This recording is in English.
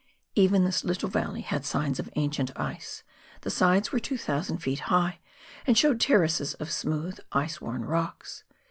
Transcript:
Even this little valley had signs of ancient ice ; the sides were 2,000 ft. high, and showed terraces of smooth ice worn rocks.